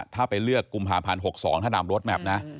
ถ้าไปเลือกกุมภาพันธ์๖๒ถ้านำรถแมพนะ